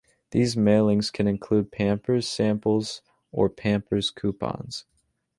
These mailings can include Pampers samples or Pampers Coupons.